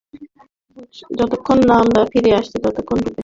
যতক্ষণ না আমরা ফিরে আসছি মানুষের রূপে।